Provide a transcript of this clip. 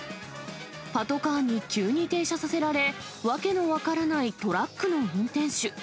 パトカーに急に停車させられ、訳の分からないトラックの運転手。